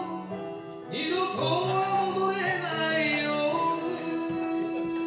「二度とは戻れない夜」